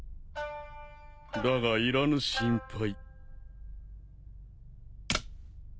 だがいらぬ心配。